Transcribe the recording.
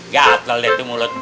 gatel deh tuh mulut